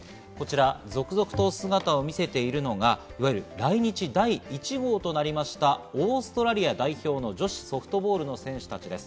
続々と姿を見せているのが来日第１号となりました、オーストラリア代表の女子ソフトボールの選手たちです。